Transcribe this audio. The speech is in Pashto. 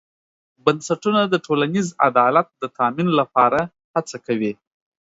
بنسټونه د ټولنیز عدالت د تامین لپاره هڅه کوي.